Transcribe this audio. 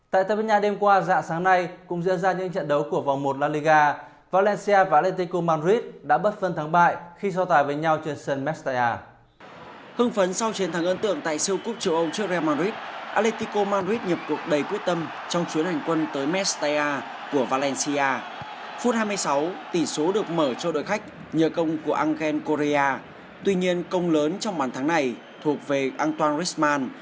tuy nhiên công lớn trong bản tháng này thuộc về antoine richemont